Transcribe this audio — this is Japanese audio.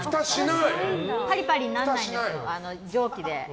パリパリにならないんです蒸気で。